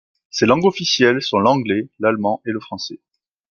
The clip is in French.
Ses langues officielles sont l'Anglais, l'Allemand et le Français.